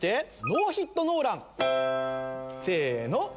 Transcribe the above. ノーヒットノーラン。